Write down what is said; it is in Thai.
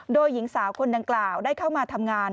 โดยหญิงสาวคนดังกล่าวได้เข้ามาทำงาน